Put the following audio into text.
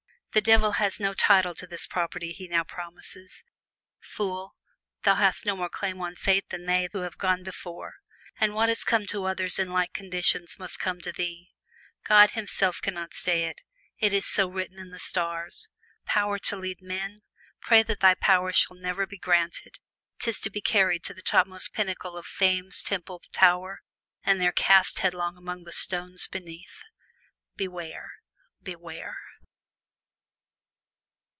The Devil has no title to this property he now promises. Fool! thou hast no more claim on Fate than they who have gone before, and what has come to others in like conditions must come to thee. God himself can not stay it; it is so written in the stars. Power to lead men! Pray that thy prayer shall ne'er be granted 't is to be carried to the topmost pinnacle of Fame's temple tower, and there cast headlong upon the stones beneath. Beware! beware!!